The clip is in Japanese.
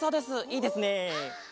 いいですね！